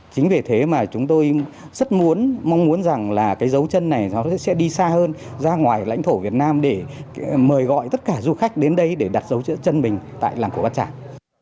chính vì thế mà chúng tôi rất mong muốn rằng là cái dấu chân này nó sẽ đi xa hơn ra ngoài lãnh thổ việt nam để mời gọi tất cả du khách đến đây để đặt dấu chân bình tại làng cổ bát tràng